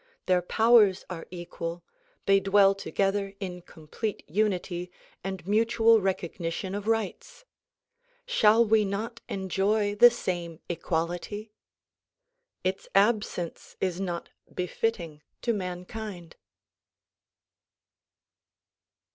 Their powers are equal, they dwell together in com plete unity and mutual recognition of rights. Shall we not enjoy the same equality? Its absence is not befitting to mankind.